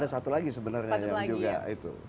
ada satu lagi sebenarnya yang juga itu